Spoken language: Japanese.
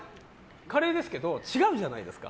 カレーですけど違うじゃないですか。